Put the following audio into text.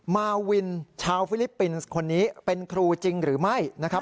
มาวินชาวฟิลิปปินส์คนนี้เป็นครูจริงหรือไม่นะครับ